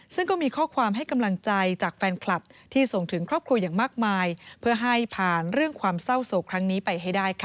ซึ่งก็มีข้อความให้กำลังใจจากแฟนคลับที่ส่งถึงครอบครัวอย่างมากมายเพื่อให้ผ่านเรื่องความเศร้าโศกครั้งนี้ไปให้ได้ค่ะ